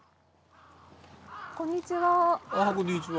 こんにちは。